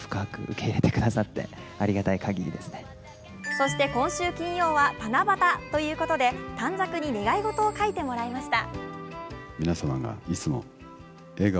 そして、今週金曜は七夕ということで、短冊に願い事を書いてもらいました。